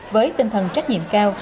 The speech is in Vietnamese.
với tinh thần trách nhiệm cao